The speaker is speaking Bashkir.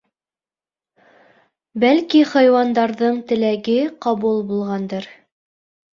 Бәлки, хайуандарҙың теләге ҡабул булғандыр...